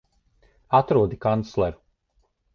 Atrodi kancleru!